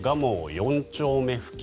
四丁目付近